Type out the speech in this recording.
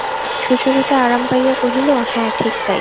সুচরিতা আরাম পাইয়া কহিল, হাঁ, ঠিক তাই।